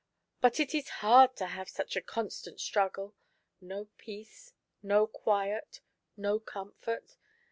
But it is hard to have such a constant struggle — no peace, no quiet, no comfort.